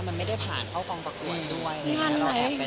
มันไม่ได้ผ่านเข้ากองประกวดด้วยเลย